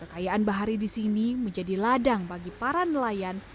kekayaan bahari di sini menjadi ladang bagi pengguna barjot